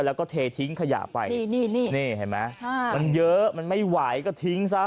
แล้วก็เททิ้งขยะไปนี่เห็นไหมมันเยอะมันไม่ไหวก็ทิ้งซะ